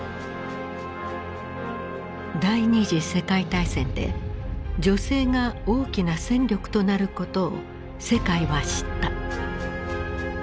第二次世界大戦で女性が大きな戦力となることを世界は知った。